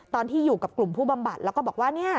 ตอนที่อยู่กับกลุ่มผู้บำบัดแล้วก็บอกว่าเนี่ย